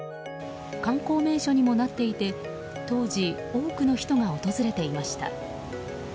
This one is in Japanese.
観光名所にもなっていて当時、多くの人が訪れていました。